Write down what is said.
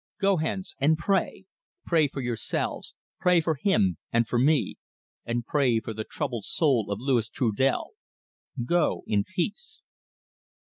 Go hence and pray. Pray for yourselves, pray for him, and for me; and pray for the troubled soul of Louis Trudel. Go in peace."